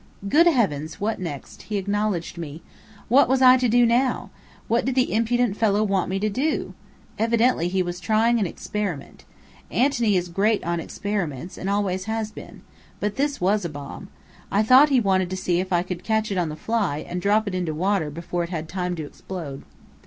Good heavens! What next? He acknowledged me! What was I to do now? What did the impudent fellow want me to do? Evidently he was trying an experiment. Anthony is great on experiments, and always has been. But this was a bomb. I thought he wanted to see if I could catch it on the fly, and drop it into water before it had time to explode.